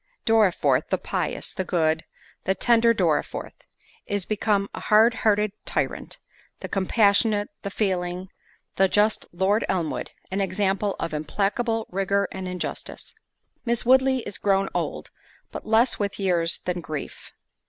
Dorriforth, the pious, the good, the tender Dorriforth, is become a hard hearted tyrant. The compassionate, the feeling, the just Lord Elmwood, an example of implacable rigour and injustice. Miss Woodley is grown old, but less with years than grief.